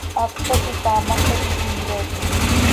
Hap cop itaamalca quij imqueetij.